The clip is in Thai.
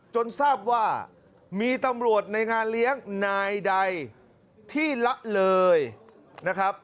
จนทราบว่ามีตำรวจในงานเลี้ยงนายใดที่ละเลยนะครับ